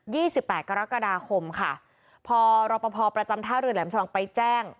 ี่สิบแปดกรกฎาคมค่ะพอรอปภประจำท่าเรือแหลมชะวังไปแจ้ง